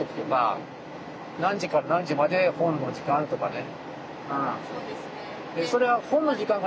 何時から何時まで本の時間とかね。